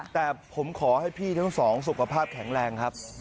แต่ผมขอให้พี่ทั้งสองสุขภาพแข็งแรงครับ